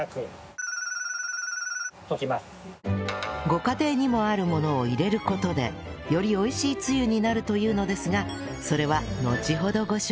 ご家庭にもあるものを入れる事でより美味しいつゆになるというのですがそれは